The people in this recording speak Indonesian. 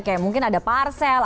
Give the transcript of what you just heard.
kayak mungkin ada parsel